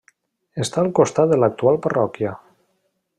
Està al costat de l'actual parròquia.